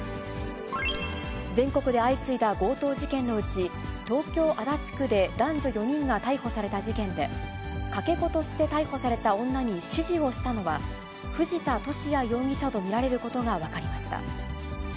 全国で相次いだ強盗事件のうち、東京・足立区で男女４人が逮捕された事件で、かけ子として逮捕された女に指示をしたのは、藤田聖也容疑者と見られることが分かりました。